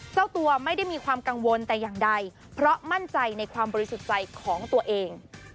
เจ้าตัวไม่ได้มีความกังวลแต่อย่างใดเพราะมั่นใจในความบริสุทธิ์ใจของตัวเอง